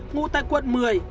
ngụ tại quận một mươi